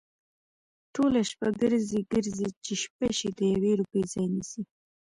ټوله ورځ گرځي، گرځي؛ چې شپه شي د يوې روپۍ ځای نيسي؟